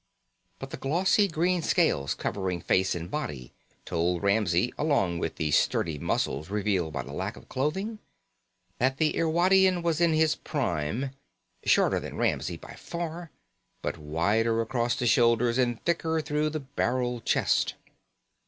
But the glossy green scales covering face and body told Ramsey, along with the sturdy muscles revealed by the lack of clothing, that the Irwadian was in his prime, shorter than Ramsey by far, but wider across the shoulders and thicker through the barrel chest.